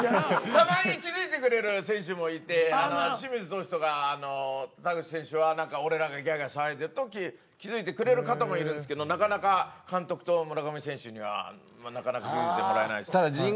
たまに気付いてくれる選手もいて清水投手とか田口選手は俺らがギャーギャー騒いでると気付いてくれる方もいるんですけどなかなか監督と村上選手にはなかなか気付いてもらえないですね。